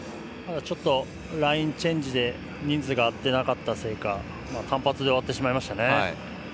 ちょっとラインチェンジで人数が合ってなかったせいか単発で終わってしまいましたね。